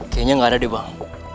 kayaknya gak ada deh bang